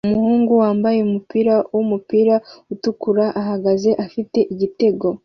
Umuhungu wambaye umupira wumupira utukura uhagaze afite igitego